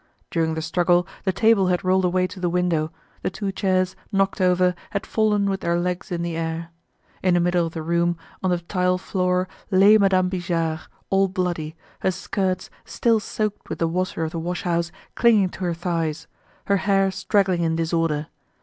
During the struggle the table had rolled away to the window, the two chairs, knocked over, had fallen with their legs in the air. In the middle of the room, on the tile floor, lay Madame Bijard, all bloody, her skirts, still soaked with the water of the wash house, clinging to her thighs, her hair straggling in disorder.